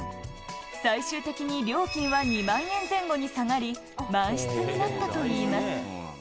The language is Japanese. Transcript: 最終的に料金は２万円前後に下がり、満室になったといいます。